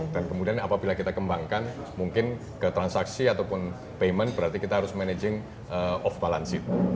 dan kemudian apabila kita kembangkan mungkin ke transaksi ataupun payment berarti kita harus managing off balance sheet